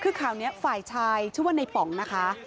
คือข่าวนี้ฝ่ายชายชื่อว่าในป๋องนะคะ